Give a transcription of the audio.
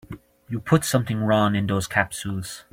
You put something wrong in those capsules.